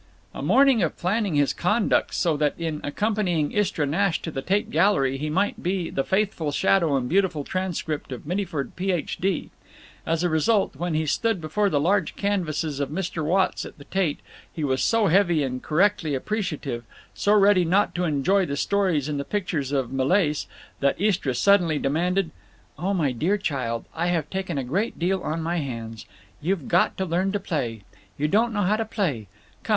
A morning of planning his conduct so that in accompanying Istra Nash to the Tate Gallery he might be the faithful shadow and beautiful transcript of Mittyford, Ph.D. As a result, when he stood before the large canvases of Mr. Watts at the Tate he was so heavy and correctly appreciative, so ready not to enjoy the stories in the pictures of Millais, that Istra suddenly demanded: "Oh, my dear child, I have taken a great deal on my hands. You've got to learn to play. You don't know how to play. Come.